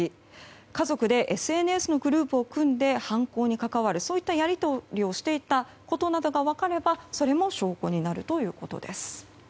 家族でＳＮＳのグループを組んで犯行に関わるそういったやり取りをしていたことなどが分かるとそれも証拠になるということです。